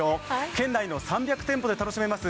県内のｐ００店舗で楽しめます